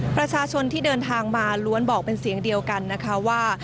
ประชาชนที่เดินทางมาล้วนบอกเป็นเสียงเดียวกันนะคะว่า